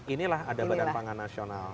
inilah ada badan pangan nasional